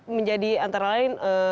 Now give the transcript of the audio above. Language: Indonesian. menjadi antara lain